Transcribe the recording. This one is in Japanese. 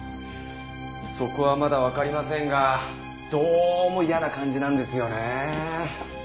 そこはまだわかりませんがどうも嫌な感じなんですよね。